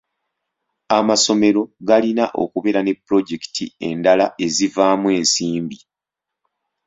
Amasomero galina okubeera ne pulojekiti endala ezivaamu ensimbi.